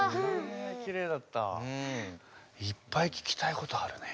いっぱい聞きたいことあるね。